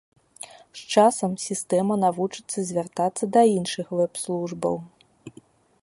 З часам сістэма навучыцца звяртацца да іншых вэб-службаў.